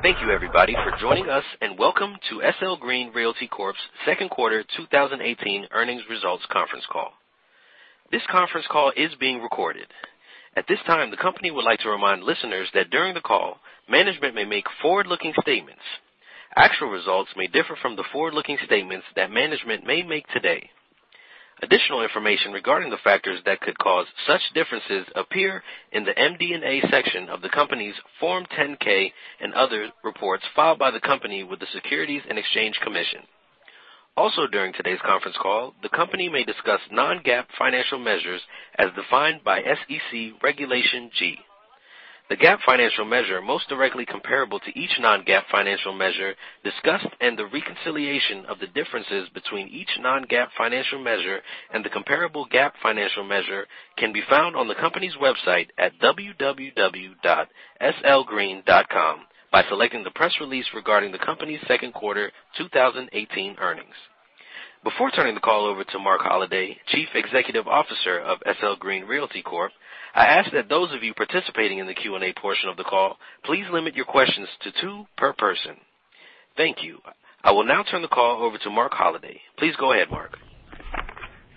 Thank you everybody for joining us. Welcome to SL Green Realty Corp's second quarter 2018 earnings results conference call. This conference call is being recorded. At this time, the company would like to remind listeners that during the call, management may make forward-looking statements. Actual results may differ from the forward-looking statements that management may make today. Additional information regarding the factors that could cause such differences appear in the MD&A section of the company's Form 10-K and other reports filed by the company with the Securities and Exchange Commission. Also, during today's conference call, the company may discuss non-GAAP financial measures as defined by SEC Regulation G. The GAAP financial measure most directly comparable to each non-GAAP financial measure discussed, and the reconciliation of the differences between each non-GAAP financial measure and the comparable GAAP financial measure, can be found on the company's website at www.slgreen.com by selecting the press release regarding the company's second quarter 2018 earnings. Before turning the call over to Marc Holliday, Chief Executive Officer of SL Green Realty Corp, I ask that those of you participating in the Q&A portion of the call, please limit your questions to two per person. Thank you. I will now turn the call over to Marc Holliday. Please go ahead, Marc.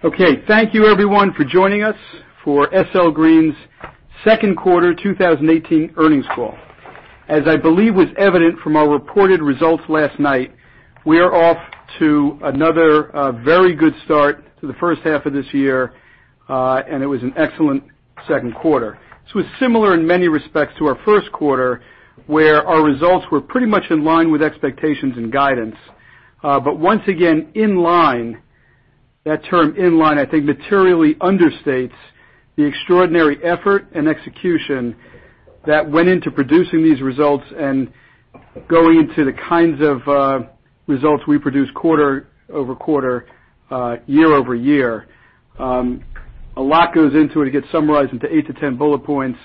Okay. Thank you everyone for joining us for SL Green's second quarter 2018 earnings call. As I believe was evident from our reported results last night, we are off to another very good start to the first half of this year. It was an excellent second quarter. This was similar in many respects to our first quarter, where our results were pretty much in line with expectations and guidance. Once again, in line, that term in line, I think materially understates the extraordinary effort and execution that went into producing these results and going into the kinds of results we produce quarter-over-quarter, year-over-year. A lot goes into it. It gets summarized into eight to 10 bullet points.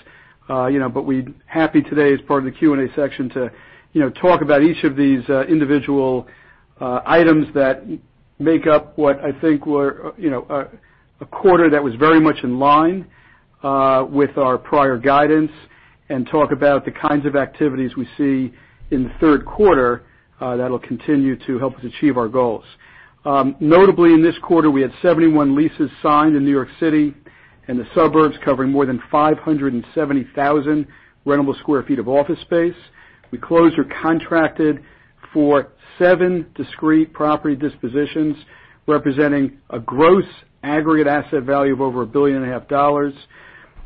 We're happy today as part of the Q&A section to talk about each of these individual items that make up what I think were a quarter that was very much in line with our prior guidance and talk about the kinds of activities we see in the third quarter that'll continue to help us achieve our goals. Notably, in this quarter, we had 71 leases signed in New York City and the suburbs, covering more than 570,000 rentable sq ft of office space. We closed or contracted for seven discrete property dispositions, representing a gross aggregate asset value of over a billion and a half dollars.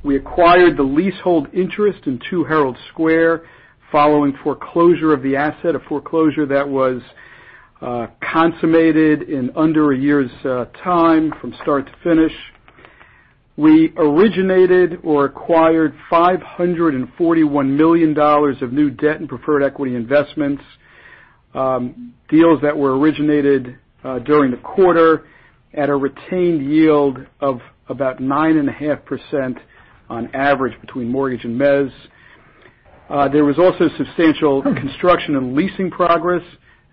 We acquired the leasehold interest in Two Herald Square, following foreclosure of the asset, a foreclosure that was consummated in under a year's time from start to finish. We originated or acquired $541 million of new debt and preferred equity investments, deals that were originated during the quarter at a retained yield of about 9.5% on average between mortgage and mezz. There was also substantial construction and leasing progress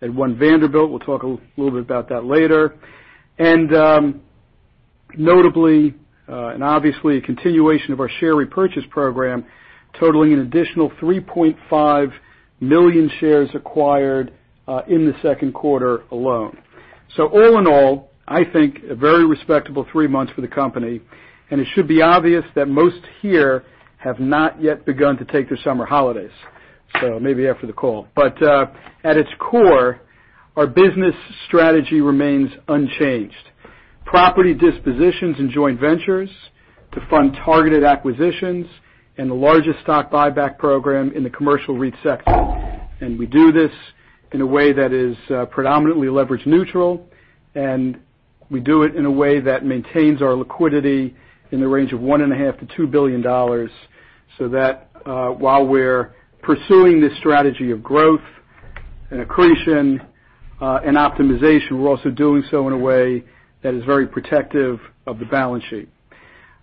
at One Vanderbilt. We'll talk a little bit about that later. Notably, and obviously, a continuation of our share repurchase program, totaling an additional 3.5 million shares acquired, in the second quarter alone. All in all, I think a very respectable three months for the company, and it should be obvious that most here have not yet begun to take their summer holidays, so maybe after the call. At its core, our business strategy remains unchanged. Property dispositions and joint ventures to fund targeted acquisitions and the largest stock buyback program in the commercial REIT sector. We do this in a way that is predominantly leverage neutral, and we do it in a way that maintains our liquidity in the range of $1.5 billion-$2 billion, so that while we're pursuing this strategy of growth and accretion, and optimization, we're also doing so in a way that is very protective of the balance sheet.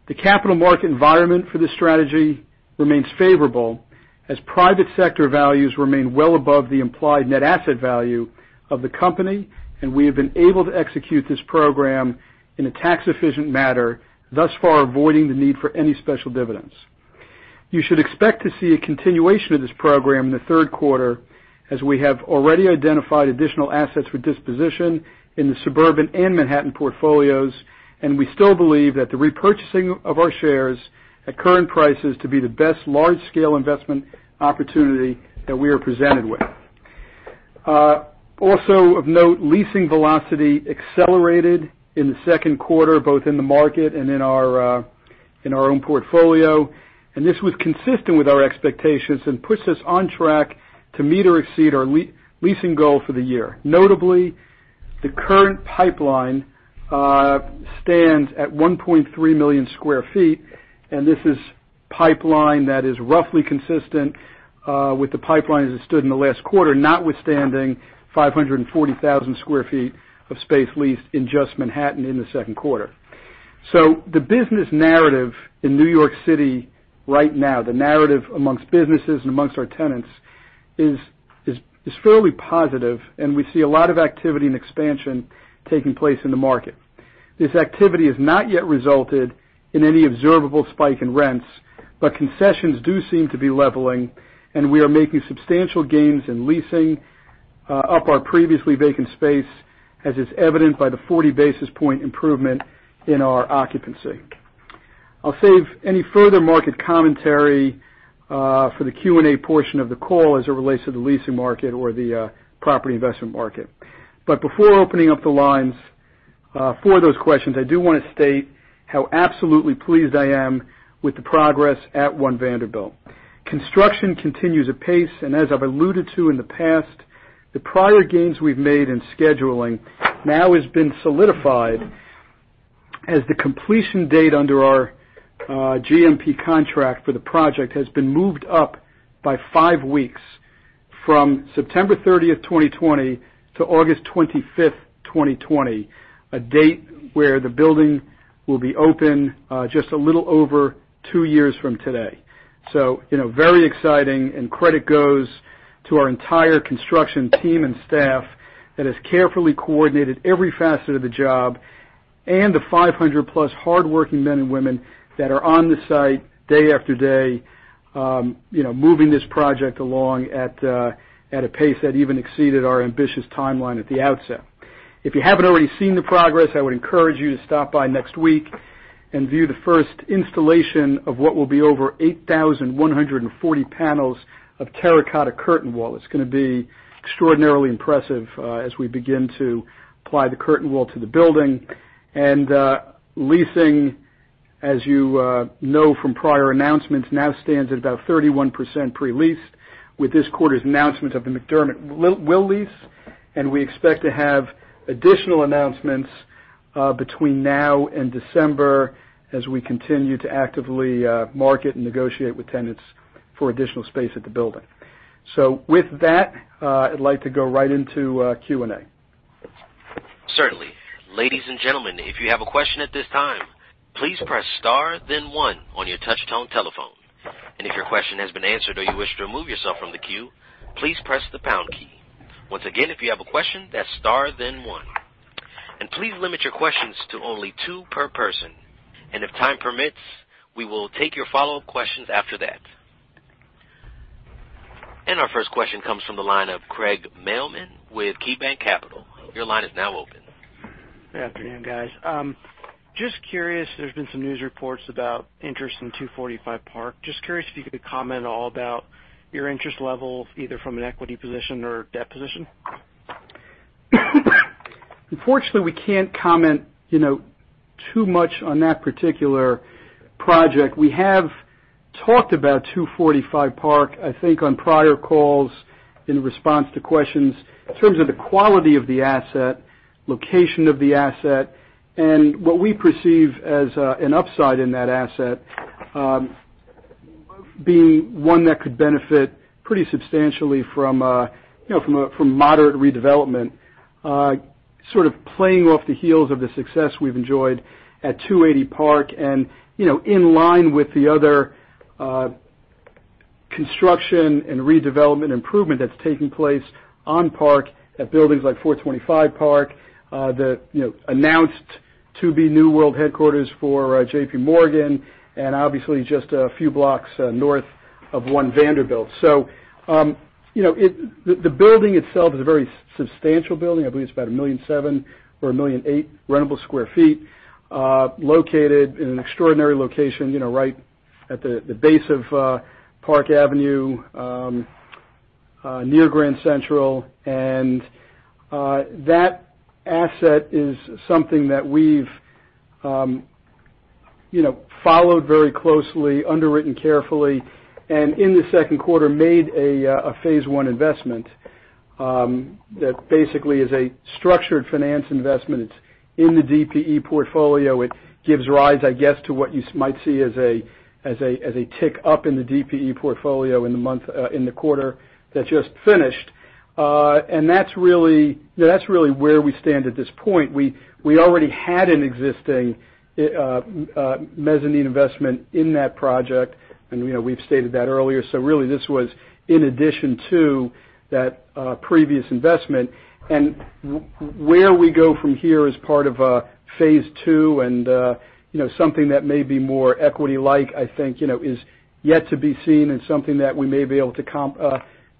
The capital market environment for this strategy remains favorable as private sector values remain well above the implied net asset value of the company, and we have been able to execute this program in a tax-efficient manner, thus far avoiding the need for any special dividends. You should expect to see a continuation of this program in the third quarter, as we have already identified additional assets for disposition in the suburban and Manhattan portfolios, and we still believe that the repurchasing of our shares at current prices to be the best large-scale investment opportunity that we are presented with. Also of note, leasing velocity accelerated in the second quarter, both in the market and in our own portfolio, and this was consistent with our expectations and puts us on track to meet or exceed our leasing goal for the year. Notably, the current pipeline stands at 1.3 million sq ft, and this is pipeline that is roughly consistent with the pipeline as it stood in the last quarter, notwithstanding 540,000 sq ft of space leased in just Manhattan in the second quarter. The business narrative in New York City right now, the narrative amongst businesses and amongst our tenants, is fairly positive, and we see a lot of activity and expansion taking place in the market. This activity has not yet resulted in any observable spike in rents, but concessions do seem to be leveling, and we are making substantial gains in leasing up our previously vacant space, as is evident by the 40 basis point improvement in our occupancy. I'll save any further market commentary for the Q&A portion of the call as it relates to the leasing market or the property investment market. Before opening up the lines for those questions, I do want to state how absolutely pleased I am with the progress at One Vanderbilt. Construction continues at pace, and as I've alluded to in the past, the prior gains we've made in scheduling now has been solidified as the completion date under our GMP contract for the project has been moved up by 5 weeks from September 30th, 2020 to August 25th, 2020, a date where the building will be open just a little over 2 years from today. Very exciting and credit goes to our entire construction team and staff that has carefully coordinated every facet of the job, and the 500-plus hardworking men and women that are on the site day after day, moving this project along at a pace that even exceeded our ambitious timeline at the outset. If you haven't already seen the progress, I would encourage you to stop by next week and view the first installation of what will be over 8,140 panels of terracotta curtain wall. Leasing, as you know from prior announcements, now stands at about 31% pre-leased with this quarter's announcement of the McDermott Will lease, and we expect to have additional announcements between now and December as we continue to actively market and negotiate with tenants for additional space at the building. With that, I'd like to go right into Q&A. Certainly. Ladies and gentlemen, if you have a question at this time, please press star then one on your touch tone telephone. If your question has been answered or you wish to remove yourself from the queue, please press the pound key. Once again, if you have a question, that's star then one. Please limit your questions to only two per person. If time permits, we will take your follow-up questions after that. Our first question comes from the line of Craig Mailman with KeyBanc Capital. Your line is now open. Good afternoon, guys. Just curious, there's been some news reports about interest in 245 Park. Just curious if you could comment all about your interest level, either from an equity position or debt position. Unfortunately, we can't comment too much on that particular project. We have talked about 245 Park, I think, on prior calls in response to questions in terms of the quality of the asset, location of the asset, and what we perceive as an upside in that asset, both being one that could benefit pretty substantially from moderate redevelopment, sort of playing off the heels of the success we've enjoyed at 280 Park and in line with the other construction and redevelopment improvement that's taking place on Park at buildings like 425 Park, the announced-to-be new world headquarters for JP Morgan, and obviously just a few blocks north of One Vanderbilt. The building itself is a very substantial building. I believe it's about 1,000,007 or 1,000,008 rentable sq ft located in an extraordinary location, right at the base of Park Avenue, near Grand Central. That asset is something that we've followed very closely, underwritten carefully, and in the second quarter, made a phase one investment that basically is a structured finance investment. It's in the DPE portfolio. It gives rise, I guess, to what you might see as a tick up in the DPE portfolio in the quarter that just finished. That's really where we stand at this point. We already had an existing mezzanine investment in that project, and we've stated that earlier. Really, this was in addition to that previous investment. Where we go from here as part of a phase two and something that may be more equity-like, I think, is yet to be seen and something that we may be able to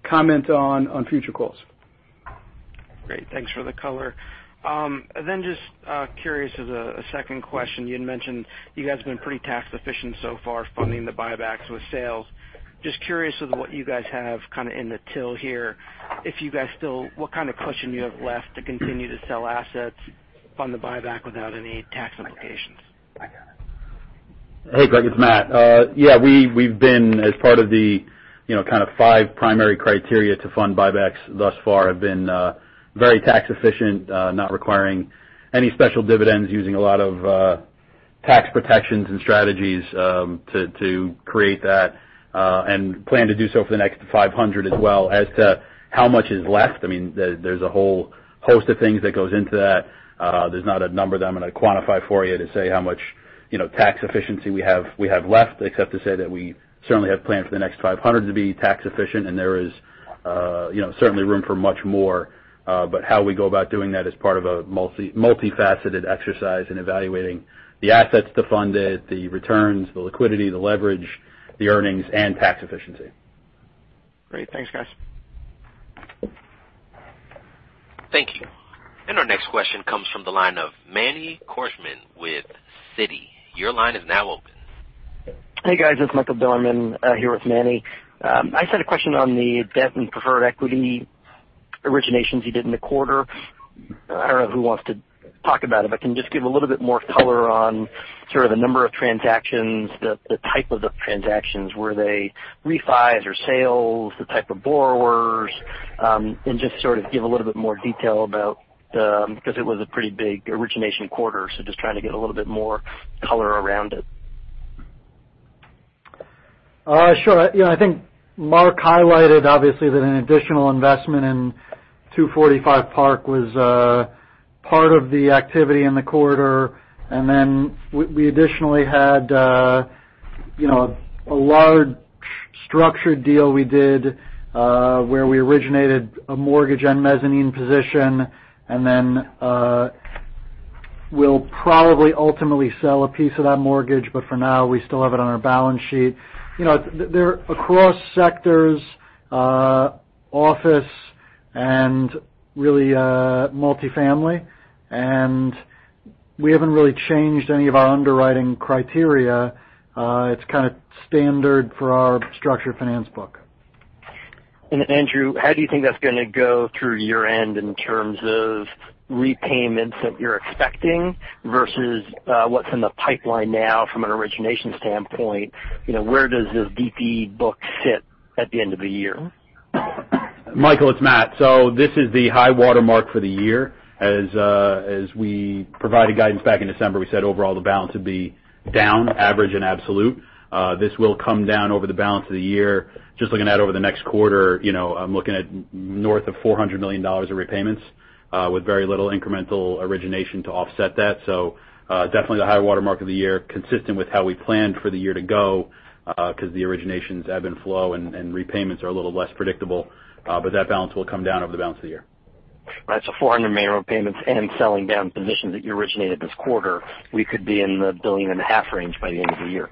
comment on future calls. Great. Thanks for the color. Just curious as a second question, you had mentioned you guys have been pretty tax efficient so far funding the buybacks with sales. Just curious with what you guys have kind of in the till here, what kind of cushion you have left to continue to sell assets on the buyback without any tax implications? Hey, Craig, it's Matt. Yeah, we've been as part of the kind of five primary criteria to fund buybacks thus far have been very tax efficient, not requiring any special dividends, using a lot of tax protections and strategies to create that, and plan to do so for the next 500 as well. As to how much is left, there's a whole host of things that goes into that. There's not a number that I'm going to quantify for you to say how much tax efficiency we have left, except to say that we certainly have planned for the next 500 to be tax efficient, and there is certainly room for much more. How we go about doing that is part of a multifaceted exercise in evaluating the assets to fund it, the returns, the liquidity, the leverage, the earnings, and tax efficiency. Great. Thanks, guys. Thank you. Our next question comes from the line of Manny Korchman with Citi. Your line is now open. Hey, guys. It's Michael Bilerman, here with Manny. I just had a question on the debt and preferred equity originations you did in the quarter. I don't know who wants to talk about it, but can you just give a little bit more color on sort of the number of transactions, the type of the transactions. Were they refis or sales, the type of borrowers, and just sort of give a little bit more detail about because it was a pretty big origination quarter, so just trying to get a little bit more color around it. Sure. I think Marc highlighted, obviously, that an additional investment in 245 Park was part of the activity in the quarter. Then we additionally had a large structured deal we did, where we originated a mortgage and mezzanine position, and then we'll probably ultimately sell a piece of that mortgage. For now, we still have it on our balance sheet. They're across sectors, office, and really multifamily. We haven't really changed any of our underwriting criteria. It's kind of standard for our structured finance book. Andrew, how do you think that's going to go through your end in terms of repayments that you're expecting versus what's in the pipeline now from an origination standpoint? Where does this DP book sit at the end of the year? Michael, it's Matt. This is the high watermark for the year. As we provided guidance back in December, we said overall the balance would be down, average and absolute. This will come down over the balance of the year. Just looking at over the next quarter, I'm looking at north of $400 million of repayments, with very little incremental origination to offset that. Definitely the high watermark of the year, consistent with how we planned for the year to go, because the originations ebb and flow, and repayments are a little less predictable. That balance will come down over the balance of the year. Right. $400 million repayments and selling down positions that you originated this quarter. We could be in the billion and a half range by the end of the year.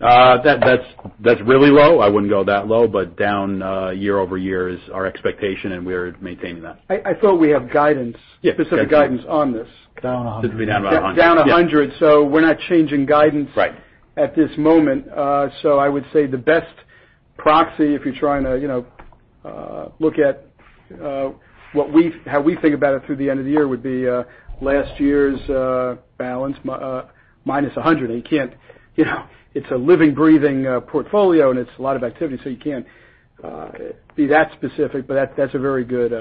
That's really low. I wouldn't go that low, down year-over-year is our expectation, and we're maintaining that. I thought we have guidance- Yeah specific guidance on this. Down 100. Down 100. We're not changing guidance- Right at this moment. I would say the best proxy, if you're trying to look at how we think about it through the end of the year, would be last year's balance minus 100. It's a living, breathing portfolio, it's a lot of activity, you can't be that specific. That's a very good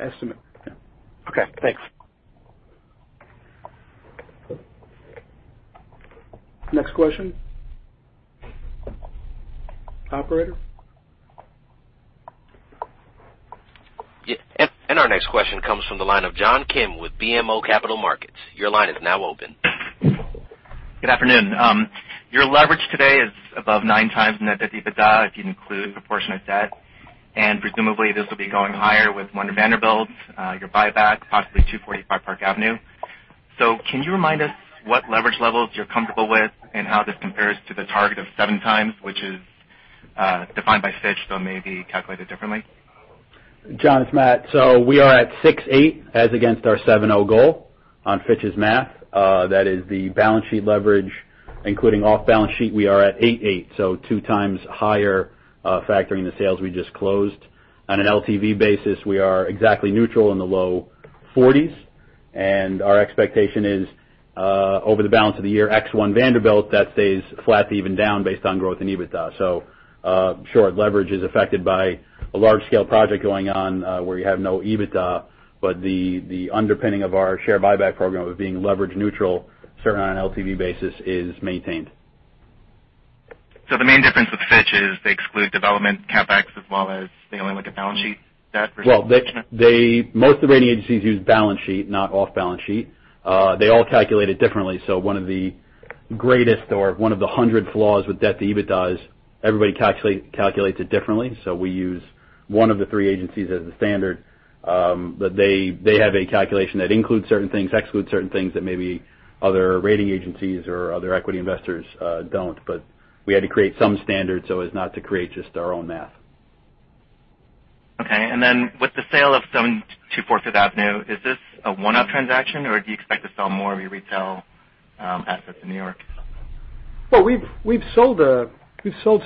estimate. Yeah. Okay, thanks. Next question. Operator? Yeah. Our next question comes from the line of John Kim with BMO Capital Markets. Your line is now open. Good afternoon. Your leverage today is above 9 times net debt to EBITDA, if you include proportionate debt. Presumably, this will be going higher with One Vanderbilt, your buyback, possibly 245 Park Avenue. Can you remind us what leverage levels you're comfortable with and how this compares to the target of 7 times, which is defined by Fitch, may be calculated differently? John, it's Matt. We are at 6.8 as against our 7.0 goal on Fitch's math. That is the balance sheet leverage, including off balance sheet, we are at 8.8, 2 times higher factoring the sales we just closed. On an LTV basis, we are exactly neutral in the low 40s, Our expectation is over the balance of the year, ex One Vanderbilt, that stays flat to even down based on growth in EBITDA. Sure, leverage is affected by a large-scale project going on, where you have no EBITDA, but the underpinning of our share buyback program of being leverage neutral, certainly on an LTV basis, is maintained. The main difference with Fitch is they exclude development CapEx as well as they only look at balance sheet debt versus- Most of the rating agencies use balance sheet, not off balance sheet. They all calculate it differently. One of the greatest or one of the 100 flaws with debt to EBITDA is everybody calculates it differently. We use one of the three agencies as the standard, but they have a calculation that includes certain things, excludes certain things that maybe other rating agencies or other equity investors don't. We had to create some standard so as not to create just our own math. Okay. Then with the sale of 724 Fifth Avenue, is this a one-off transaction or do you expect to sell more of your retail assets in New York? Well, we've sold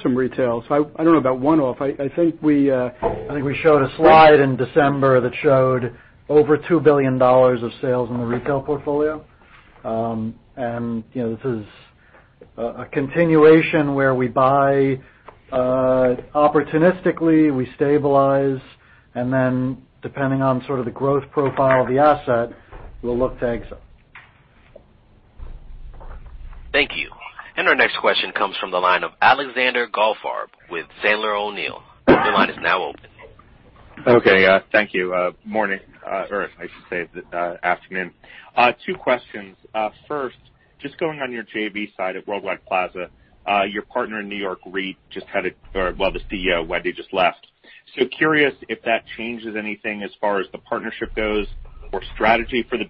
some retail, I don't know about one-off. I think we showed a slide in December that showed over $2 billion of sales in the retail portfolio. This is a continuation where we buy opportunistically, we stabilize, then depending on sort of the growth profile of the asset, we'll look to exit. Thank you. Our next question comes from the line of Alexander Goldfarb with Sandler O'Neill. Your line is now open. Okay. Thank you. Morning, or I should say, afternoon. Two questions. First, just going on your JV side at Worldwide Plaza, your partner in New York REIT, the CEO, Wendy, just left. Curious if that changes anything as far as the partnership goes or strategy for the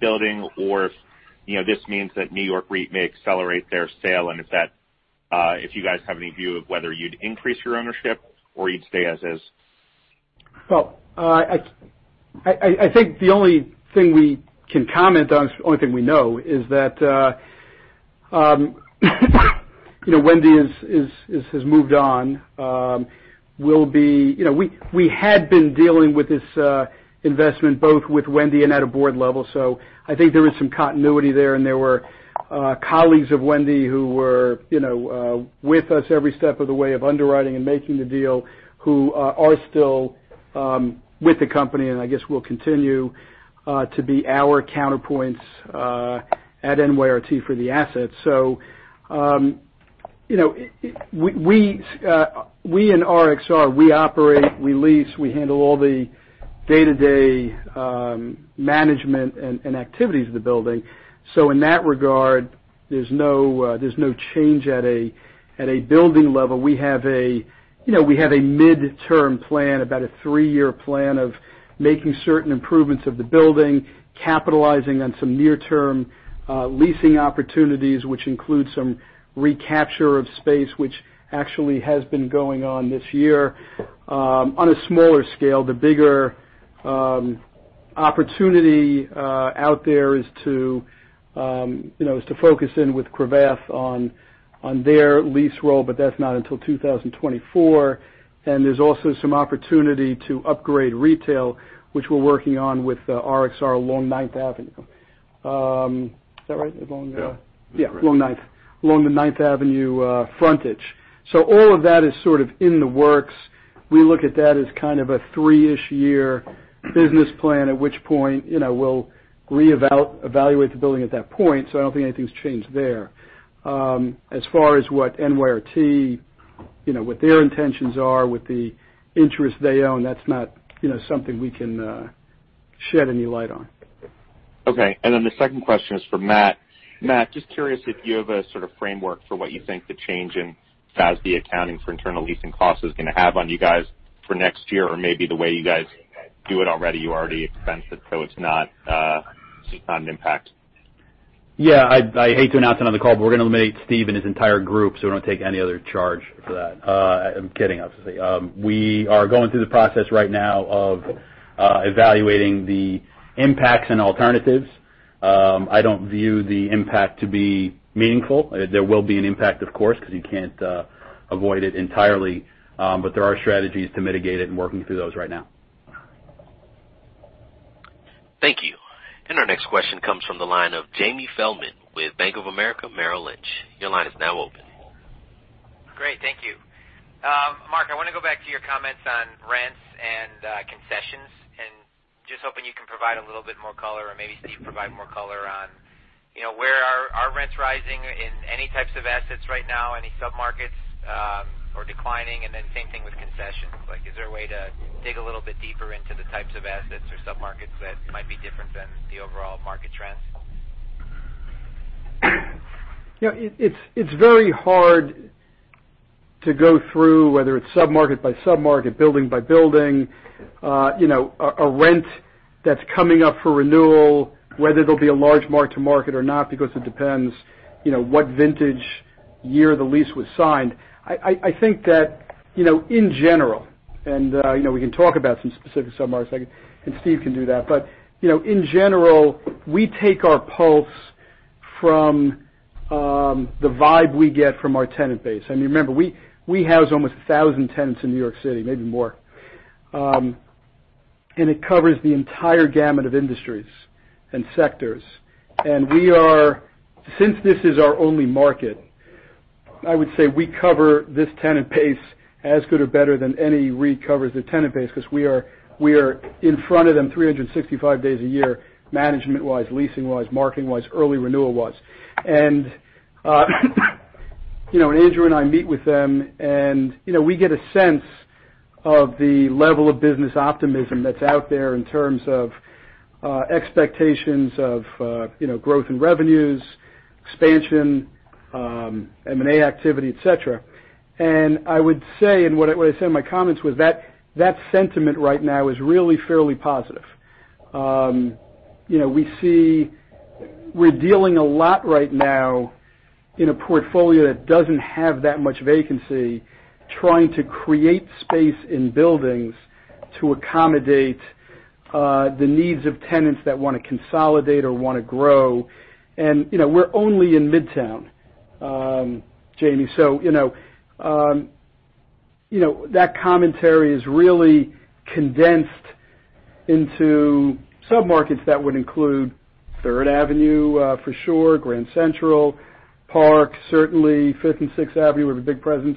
building, or if this means that New York REIT may accelerate their sale, if you guys have any view of whether you'd increase your ownership or you'd stay as is? Well, I think the only thing we can comment on, the only thing we know is that Wendy has moved on. We had been dealing with this investment both with Wendy and at a board level. I think there is some continuity there, and there were colleagues of Wendy who were with us every step of the way of underwriting and making the deal, who are still with the company, and I guess will continue to be our counterparts at NYRT for the assets. We and RXR, we operate, we lease, we handle all the day-to-day management and activities of the building. In that regard, there's no change at a building level. We have a mid-term plan, about a three-year plan of making certain improvements of the building, capitalizing on some near-term leasing opportunities, which include some recapture of space, which actually has been going on this year on a smaller scale. The bigger opportunity out there is to focus in with Cravath on their lease roll. That's not until 2024. There's also some opportunity to upgrade retail, which we're working on with RXR along 9th Avenue. Is that right? Along the Yeah. That's correct. Yeah. Along the 9th Avenue frontage. All of that is sort of in the works. We look at that as kind of a three-ish year business plan, at which point we'll re-evaluate the building at that point. I don't think anything's changed there. As far as what NYRT, what their intentions are with the interest they own, that's not something we can shed any light on. Okay. Then the second question is for Matt. Matt, just curious if you have a sort of framework for what you think the change in FASB accounting for internal leasing costs is going to have on you guys for next year, or maybe the way you guys do it already, you already expensed it's not an impact. Yeah. I hate to announce it on the call, we're going to eliminate Steve and his entire group, we don't take any other charge for that. I'm kidding, obviously. We are going through the process right now of evaluating the impacts and alternatives. I don't view the impact to be meaningful. There will be an impact, of course, because you can't avoid it entirely. There are strategies to mitigate it and working through those right now. Thank you. Our next question comes from the line of Jamie Feldman with Bank of America Merrill Lynch. Your line is now open. Great. Thank you. Marc, I want to go back to your comments on rents and concessions, just hoping you can provide a little bit more color, or maybe Steve provide more color on where are rents rising in any types of assets right now, any sub-markets or declining, then same thing with concessions. Is there a way to dig a little bit deeper into the types of assets or sub-markets that might be different than the overall market trends? It's very hard to go through, whether it's sub-market by sub-market, building by building, a rent that's coming up for renewal, whether there'll be a large mark-to-market or not, because it depends what vintage year the lease was signed. I think that in general, and we can talk about some specific sub-markets, and Steve can do that, but in general, we take our pulse from the vibe we get from our tenant base. Remember, we house almost 1,000 tenants in New York City, maybe more. It covers the entire gamut of industries and sectors. Since this is our only market, I would say we cover this tenant base as good or better than any REIT covers their tenant base, because we are in front of them 365 days a year, management-wise, leasing-wise, marketing-wise, early renewal-wise. Andrew and I meet with them, and we get a sense of the level of business optimism that's out there in terms of expectations of growth in revenues, expansion, M&A activity, et cetera. I would say, and what I said in my comments was that sentiment right now is really fairly positive. We're dealing a lot right now in a portfolio that doesn't have that much vacancy, trying to create space in buildings to accommodate the needs of tenants that want to consolidate or want to grow. We're only in Midtown, Jamie. So that commentary is really condensed into sub-markets that would include Third Avenue, for sure, Grand Central, Park, certainly Fifth and Sixth Avenue, we have a big presence.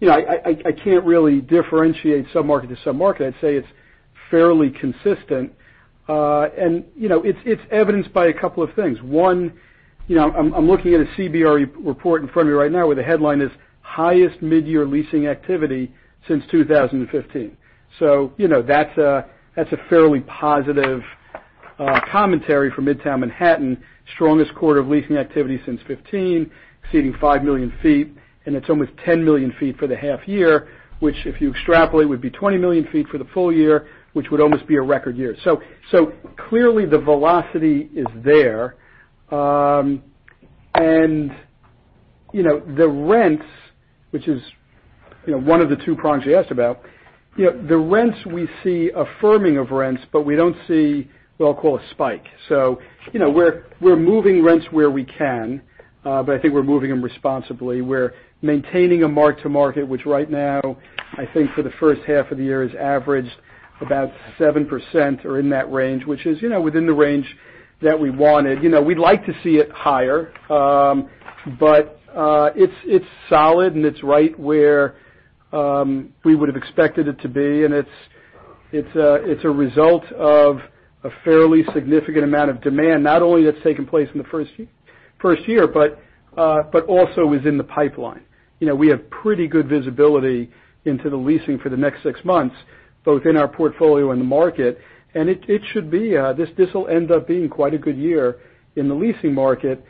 I can't really differentiate sub-market to sub-market. I'd say it's fairly consistent. It's evidenced by a couple of things. One, I'm looking at a CBRE report in front of me right now where the headline is Highest mid-year leasing activity since 2015. So that's a fairly positive commentary for Midtown Manhattan. Strongest quarter of leasing activity since 2015, exceeding 5 million square feet, and it's almost 10 million square feet for the half-year, which if you extrapolate, would be 20 million square feet for the full year, which would almost be a record year. So clearly the velocity is there. The rents, which is one of the two prongs you asked about, the rents we see a firming of rents, but we don't see what I'll call a spike. So we're moving rents where we can, but I think we're moving them responsibly. We're maintaining a mark-to-market, which right now, I think for the first half of the year, has averaged about 7% or in that range, which is within the range that we wanted. We'd like to see it higher, but it's solid, and it's right where we would've expected it to be, and it's a result of a fairly significant amount of demand, not only that's taken place in the first year, but also is in the pipeline. We have pretty good visibility into the leasing for the next six months, both in our portfolio and the market. It should be, this'll end up being quite a good year in the leasing market,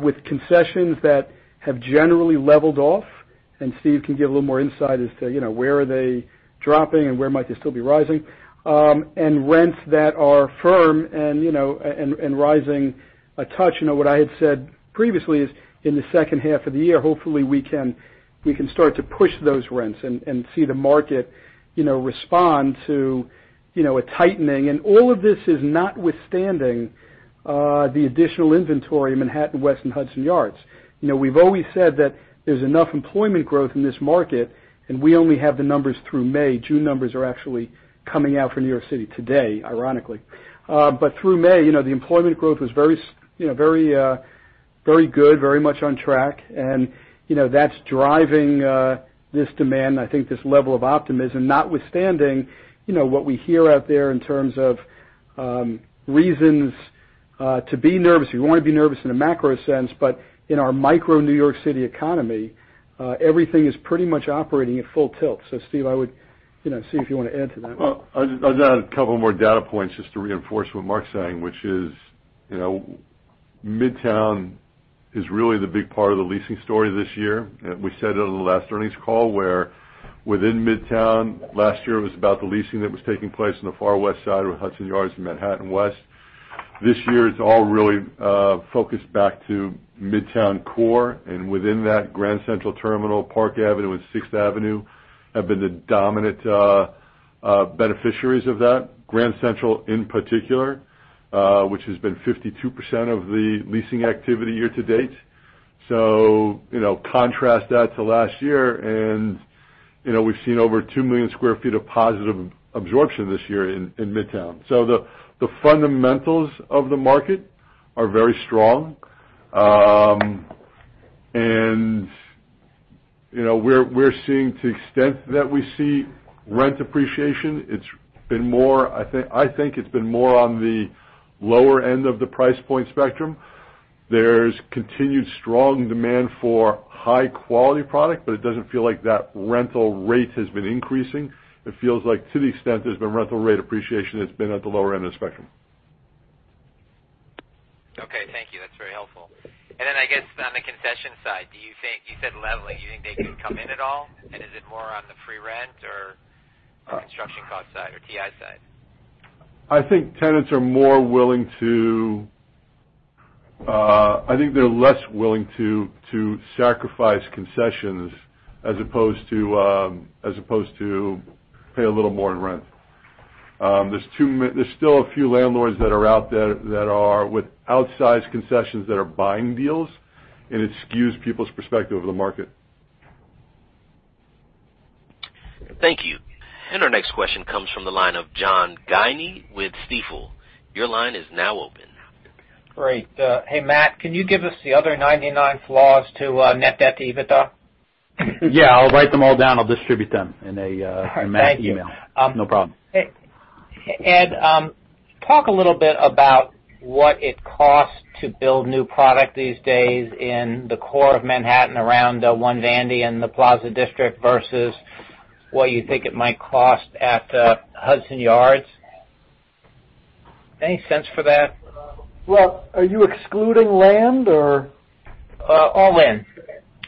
with concessions that have generally leveled off, and Steve can give a little more insight as to where are they dropping and where might they still be rising, and rents that are firm and rising a touch. What I had said previously is in the second half of the year, hopefully we can start to push those rents and see the market respond to a tightening. All of this is notwithstanding the additional inventory in Manhattan West and Hudson Yards. We've always said that there's enough employment growth in this market, and we only have the numbers through May. June numbers are actually coming out for New York City today, ironically. Through May, the employment growth was very good, very much on track, and that's driving this demand and I think this level of optimism, notwithstanding what we hear out there in terms of reasons to be nervous. You want to be nervous in a macro sense, but in our micro New York City economy, everything is pretty much operating at full tilt. Steve, I would see if you want to add to that. Well, I'll just add a couple more data points just to reinforce what Marc's saying, which is, Midtown is really the big part of the leasing story this year. We said it on the last earnings call, where within Midtown last year was about the leasing that was taking place in the far West Side with Hudson Yards and Manhattan West. This year it's all really focused back to Midtown Core, and within that, Grand Central Terminal, Park Avenue, and Sixth Avenue have been the dominant beneficiaries of that. Grand Central in particular, which has been 52% of the leasing activity year to date. Contrast that to last year, and we've seen over 2 million square feet of positive absorption this year in Midtown. The fundamentals of the market are very strong. We're seeing to the extent that we see rent appreciation. I think it's been more on the lower end of the price point spectrum. There's continued strong demand for high-quality product, but it doesn't feel like that rental rate has been increasing. It feels like to the extent there's been rental rate appreciation, it's been at the lower end of the spectrum. Okay, thank you. That's very helpful. Then I guess on the concession side, you said leveling. Do you think they can come in at all? Is it more on the free rent or construction cost side or TI side? I think they're less willing to sacrifice concessions as opposed to pay a little more in rent. There's still a few landlords that are out there that are with outsized concessions that are buying deals. It skews people's perspective of the market. Thank you. Our next question comes from the line of John Guinee with Stifel. Your line is now open. Great. Hey, Matt, can you give us the other 99 flaws to net debt to EBITDA? Yeah, I'll write them all down. I'll distribute them in a mass email. Thank you. No problem. Ed, talk a little bit about what it costs to build new product these days in the core of Manhattan around One Vandy and the Plaza District versus what you think it might cost at Hudson Yards. Any sense for that? Well, are you excluding land or? All in.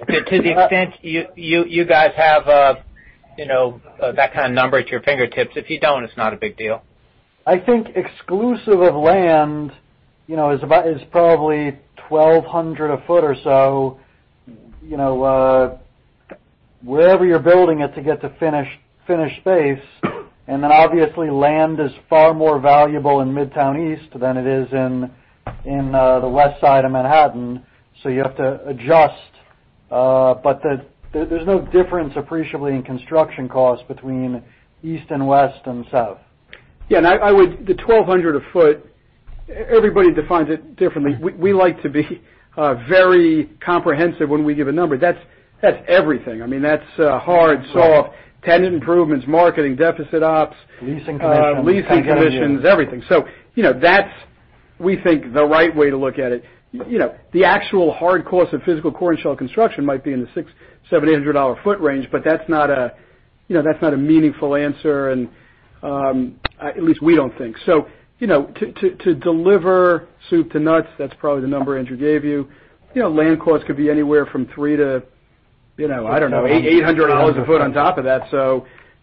To the extent you guys have that kind of number at your fingertips. If you don't, it's not a big deal. I think exclusive of land, is probably $1,200 a foot or so, wherever you're building it to get to finished space. Obviously land is far more valuable in Midtown East than it is in the West Side of Manhattan, so you have to adjust. There's no difference appreciably in construction cost between East and West and South. The $1,200 a foot, everybody defines it differently. We like to be very comprehensive when we give a number. That's everything. That's hard, soft, tenant improvements, marketing, deficit operations- Leasing commissions leasing commissions, everything. We think the right way to look at it, the actual hard cost of physical core and shell construction might be in the $600, $700, $800 a foot range, but that's not a meaningful answer, at least we don't think. To deliver soup to nuts, that's probably the number Andrew gave you. Land costs could be anywhere from $300 to, I don't know, $800 a foot on top of that.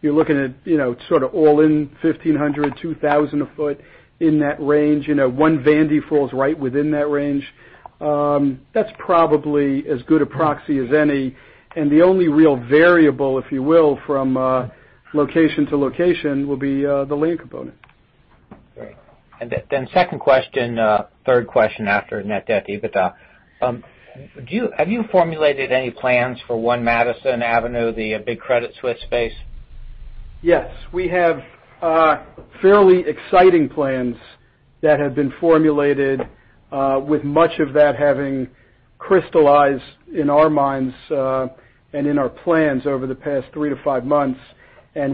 You're looking at sort of all-in $1,500, $2,000 a foot, in that range. One Vandy falls right within that range. That's probably as good a proxy as any, and the only real variable, if you will, from location to location, will be the land component. Great. Second question, third question after net debt EBITDA. Have you formulated any plans for 1 Madison Avenue, the big Credit Suisse space? Yes. We have fairly exciting plans that have been formulated, with much of that having crystallized in our minds, and in our plans over the past three to five months.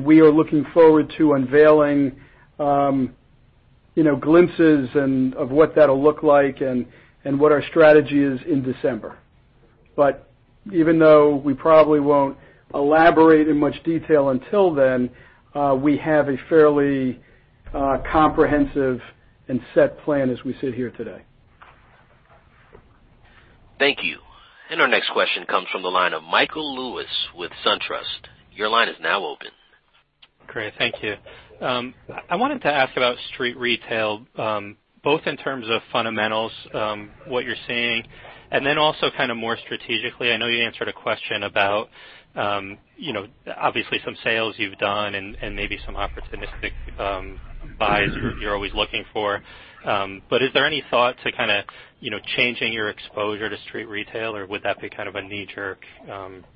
We are looking forward to unveiling glimpses of what that'll look like and what our strategy is in December. Even though we probably won't elaborate in much detail until then, we have a fairly comprehensive and set plan as we sit here today. Thank you. Our next question comes from the line of Michael Lewis with SunTrust. Your line is now open. Great. Thank you. I wanted to ask about street retail, both in terms of fundamentals, what you're seeing, also kind of more strategically. I know you answered a question about obviously some sales you've done and maybe some opportunistic buys you're always looking for. Is there any thought to kind of changing your exposure to street retail, or would that be kind of a knee-jerk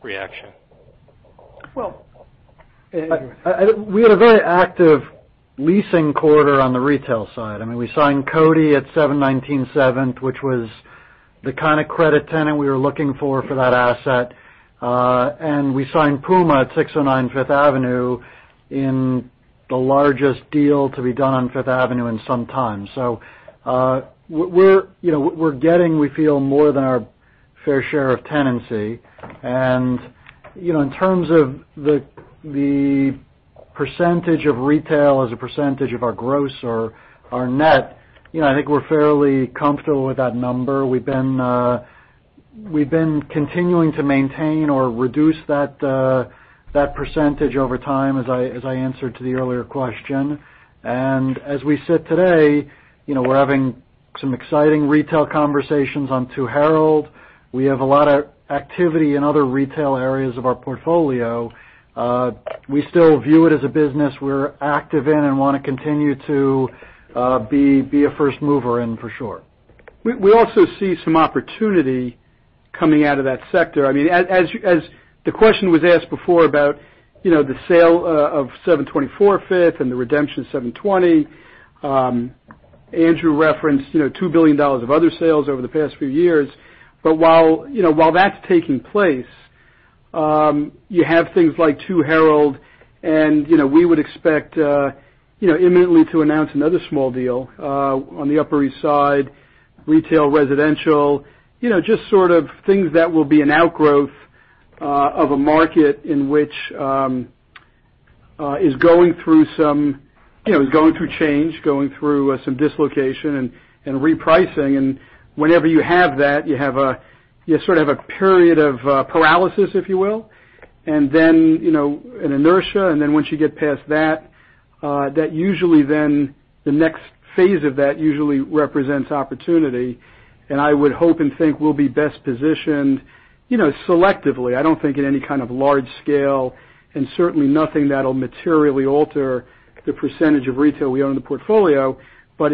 reaction? Well, we had a very active leasing quarter on the retail side. We signed Coty at 719 7th, which was the kind of credit tenant we were looking for that asset. We signed Puma at 609 5th Avenue in the largest deal to be done on 5th Avenue in some time. We're getting, we feel, more than our fair share of tenancy. In terms of the % of retail as a % of our gross or our net, I think we're fairly comfortable with that number. We've been continuing to maintain or reduce that % over time, as I answered to the earlier question. As we sit today, we're having some exciting retail conversations on 2 Herald. We have a lot of activity in other retail areas of our portfolio. We still view it as a business we're active in and want to continue to be a first mover in, for sure. We also see some opportunity coming out of that sector. As the question was asked before about the sale of 724 Fifth and the redemption of 720. Andrew referenced $2 billion of other sales over the past few years. While that's taking place, you have things like 2 Herald, and we would expect imminently to announce another small deal on the Upper East Side, retail, residential, just sort of things that will be an outgrowth of a market in which is going through change, going through some dislocation and repricing. Whenever you have that, you sort of have a period of paralysis, if you will, and then an inertia, and then once you get past that, the next phase of that usually represents opportunity. I would hope and think we'll be best positioned selectively, I don't think in any kind of large scale, and certainly nothing that'll materially alter the % of retail we own in the portfolio. For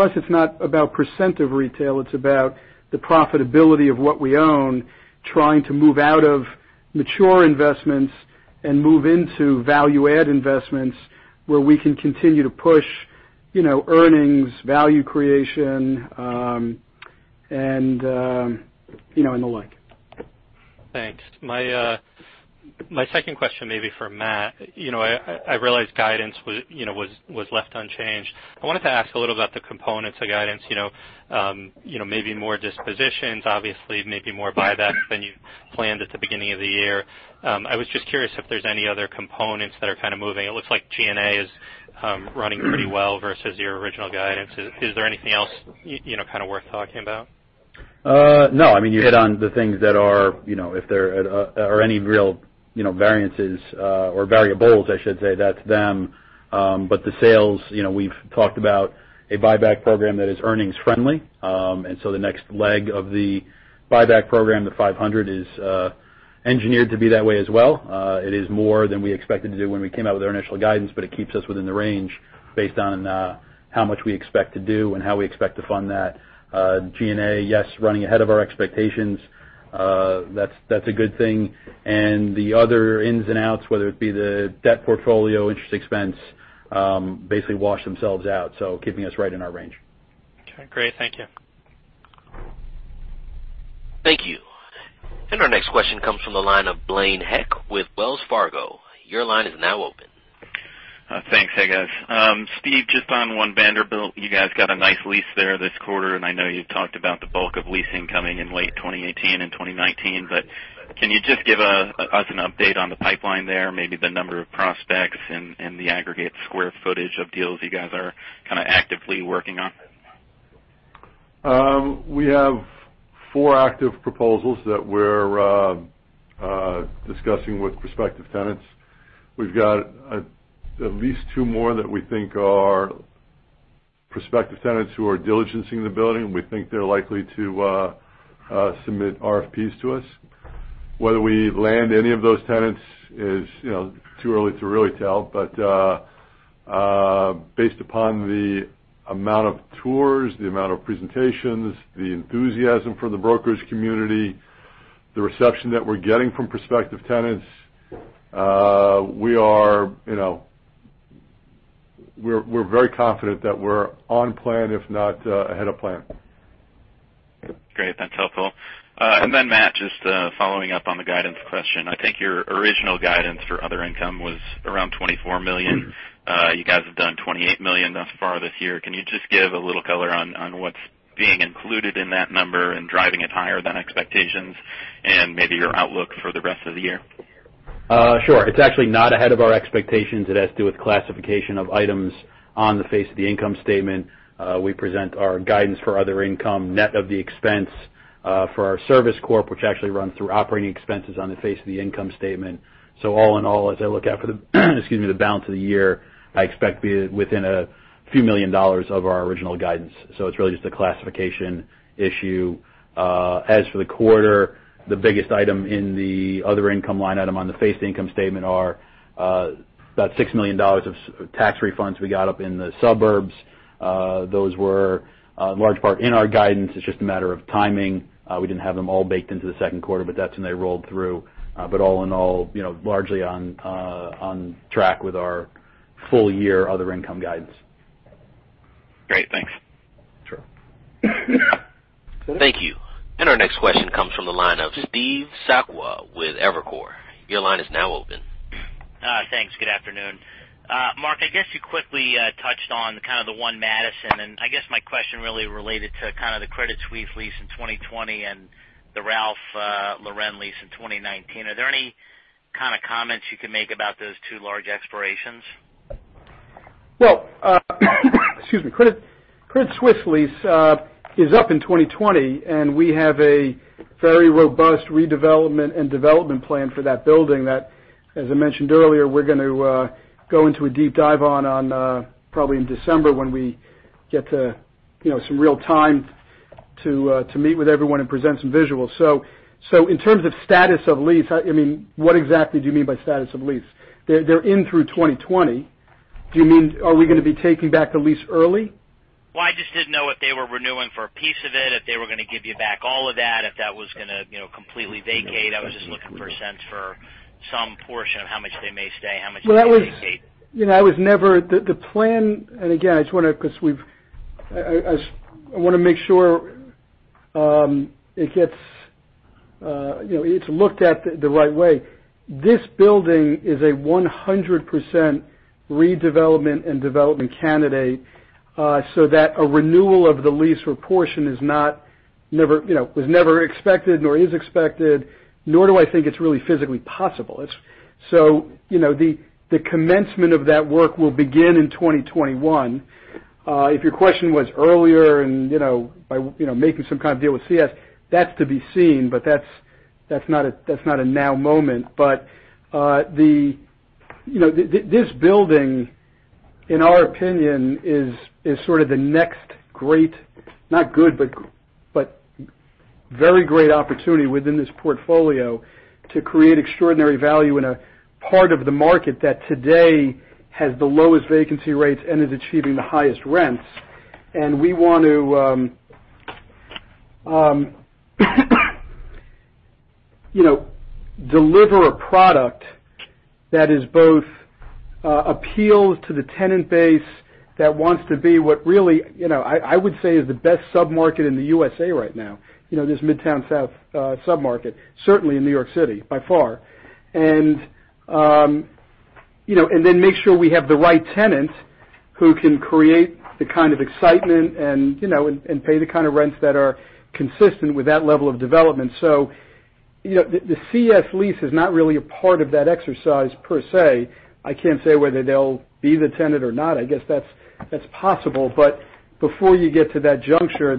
us, it's not about % of retail, it's about the profitability of what we own, trying to move out of mature investments and move into value-add investments where we can continue to push earnings, value creation, and the like. Thanks. My second question may be for Matt. I realize guidance was left unchanged. I wanted to ask a little about the components of guidance maybe more dispositions, obviously, maybe more buybacks than you planned at the beginning of the year. I was just curious if there's any other components that are kind of moving. It looks like G&A is running pretty well versus your original guidance. Is there anything else kind of worth talking about? You hit on the things that are. If there are any real variances, or variables, I should say, that's them. The sales, we've talked about a buyback program that is earnings-friendly. The next leg of the buyback program, the $500, is engineered to be that way as well. It is more than we expected to do when we came out with our initial guidance, but it keeps us within the range based on how much we expect to do and how we expect to fund that. G&A, yes, running ahead of our expectations. That's a good thing. The other ins and outs, whether it be the debt portfolio, interest expense, basically wash themselves out, so keeping us right in our range. Okay, great. Thank you. Our next question comes from the line of Blaine Heck with Wells Fargo. Your line is now open. Thanks. Hey, guys. Steve, just on One Vanderbilt, you guys got a nice lease there this quarter, and I know you've talked about the bulk of leasing coming in late 2018 and 2019, but can you just give us an update on the pipeline there, maybe the number of prospects and the aggregate square footage of deals you guys are kind of actively working on? We have four active proposals that we're discussing with prospective tenants. We've got at least two more that we think are prospective tenants who are diligencing the building. We think they're likely to submit RFPs to us. Whether we land any of those tenants is too early to really tell, but based upon the amount of tours, the amount of presentations, the enthusiasm from the brokers community, the reception that we're getting from prospective tenants, we're very confident that we're on plan, if not ahead of plan. Great. That's helpful. Matt, just following up on the guidance question. I think your original guidance for other income was around $24 million. You guys have done $28 million thus far this year. Can you just give a little color on what's being included in that number and driving it higher than expectations and maybe your outlook for the rest of the year? Sure. It's actually not ahead of our expectations. It has to do with classification of items on the face of the income statement. We present our guidance for other income, net of the expense for our service corp, which actually runs through operating expenses on the face of the income statement. All in all, as I look out excuse me, the balance of the year, I expect within a few million dollars of our original guidance. It's really just a classification issue. As for the quarter, the biggest item in the other income line item on the face of the income statement are about six million dollars of tax refunds we got up in the suburbs. Those were in large part in our guidance. It's just a matter of timing. We didn't have them all baked into the second quarter, but that's when they rolled through. All in all, largely on track with our full year other income guidance. Great. Thanks. Sure. Thank you. Our next question comes from the line of Steve Sakwa with Evercore. Your line is now open. Thanks. Good afternoon. Marc, I guess you quickly touched on kind of the One Madison, and I guess my question really related to kind of the Credit Suisse lease in 2020 and the Ralph Lauren lease in 2019. Are there any kind of comments you can make about those two large expirations? Well, excuse me, Credit Suisse lease is up in 2020, and we have a very robust redevelopment and development plan for that building that, as I mentioned earlier, we're going to go into a deep dive on probably in December when we get some real time to meet with everyone and present some visuals. In terms of status of lease, what exactly do you mean by status of lease? They're in through 2020. Do you mean, are we going to be taking back the lease early? I just didn't know if they were renewing for a piece of it, if they were going to give you back all of that, if that was going to completely vacate. I was just looking for a sense for some portion of how much they may stay, how much they may vacate. The plan, again, I want to make sure it's looked at the right way. This building is a 100% redevelopment and development candidate, that a renewal of the lease or portion was never expected nor is expected, nor do I think it's really physically possible. The commencement of that work will begin in 2021. If your question was earlier and by making some kind of deal with CS, that's to be seen, but that's not a now moment. This building, in our opinion, is sort of the next great, not good, but very great opportunity within this portfolio to create extraordinary value in a part of the market that today has the lowest vacancy rates and is achieving the highest rents. We want to deliver a product that both appeals to the tenant base that wants to be what really, I would say is the best sub-market in the USA right now, this Midtown South sub-market, certainly in New York City, by far. Make sure we have the right tenant who can create the kind of excitement and pay the kind of rents that are consistent with that level of development. The CS lease is not really a part of that exercise per se. I can't say whether they'll be the tenant or not. I guess that's possible. Before you get to that juncture,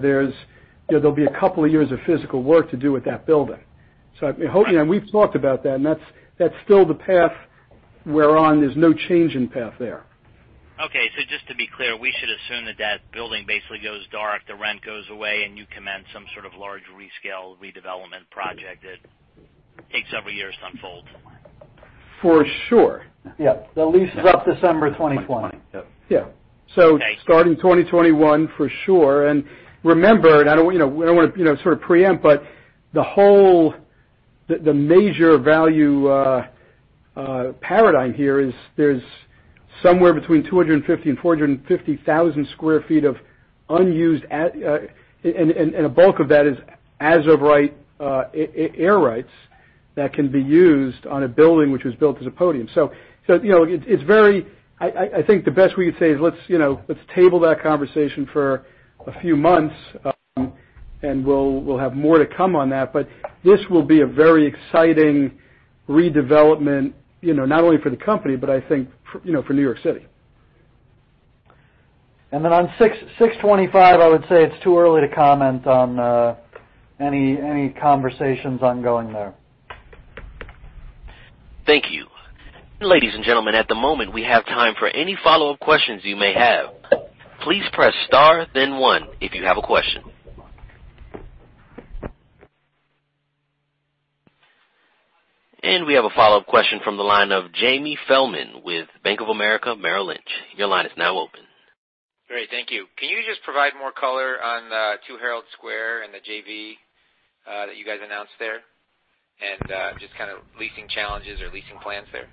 there'll be a couple of years of physical work to do with that building. We've talked about that, and that's still the path we're on. There's no change in path there. Okay. Just to be clear, we should assume that that building basically goes dark, the rent goes away, and you commence some sort of large-scale redevelopment project that takes several years to unfold. For sure. Yeah. The lease is up December 2020. Yeah. Thanks. Starting 2021 for sure. Remember, and I don't want to sort of preempt, but the major value Paradigm here is there's somewhere between 250,000 and 450,000 square feet of unused. A bulk of that is as of right air rights that can be used on a building which was built as a podium. I think the best we could say is let's table that conversation for a few months, and we'll have more to come on that. This will be a very exciting redevelopment, not only for the company, but I think for New York City. I would say it is too early to comment on any conversations ongoing there. Thank you. Ladies and gentlemen, at the moment, we have time for any follow-up questions you may have. Please press star then one if you have a question. We have a follow-up question from the line of Jamie Feldman with Bank of America Merrill Lynch. Your line is now open. Great. Thank you. Can you just provide more color on Two Herald Square and the JV that you guys announced there? Just kind of leasing challenges or leasing plans there?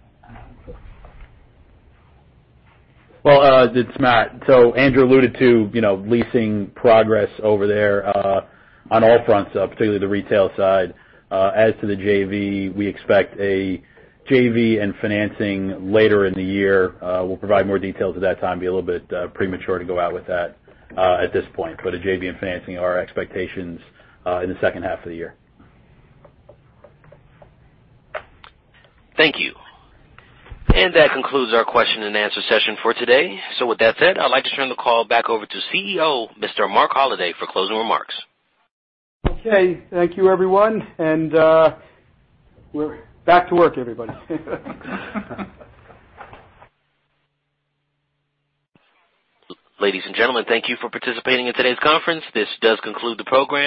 Well, it is Matt. Andrew alluded to leasing progress over there on all fronts, particularly the retail side. As to the JV, we expect a JV and financing later in the year. We will provide more details at that time. It would be a little bit premature to go out with that at this point. A JV and financing are our expectations in the second half of the year. Thank you. That concludes our question and answer session for today. With that said, I'd like to turn the call back over to CEO, Mr. Marc Holliday, for closing remarks. Okay. Thank you, everyone. We're back to work, everybody. Ladies and gentlemen, thank you for participating in today's conference. This does conclude the program.